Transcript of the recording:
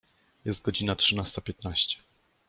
Jest godzina trzynasta piętnaście.